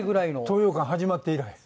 東洋館始まって以来。